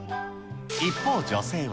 一方、女性は。